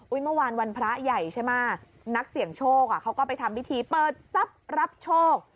อุ้ยเมื่อวานวันพระใหญ่ใช่มะนักเสี่ยงโชคอ่ะเขาก็ไปทำพิธีเปิดสรรพโชค